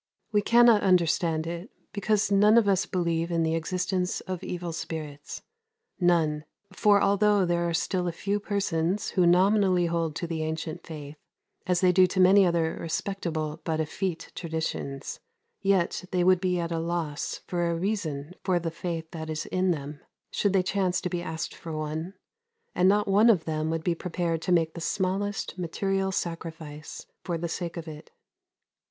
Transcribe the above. We cannot understand it, because none of us believe in the existence of evil spirits. None; for although there are still a few persons who nominally hold to the ancient faith, as they do to many other respectable but effete traditions, yet they would be at a loss for a reason for the faith that is in them, should they chance to be asked for one; and not one of them would be prepared to make the smallest material sacrifice for the sake of it.